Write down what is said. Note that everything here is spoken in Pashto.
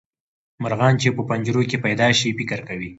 مرغان چې په پنجرو کې پیدا شي فکر کوي.